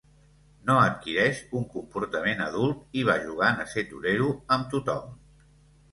No adquireix un comportament adult i va jugant a ser torero amb tothom.